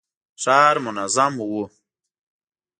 ښار منظم و.